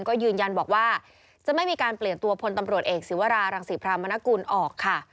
ก็ยืนยันบอกว่าจะไม่มีการเปลี่ยนตัวพลตำรวจเอกศิวรารังศรีพรามนกุลออกค่ะ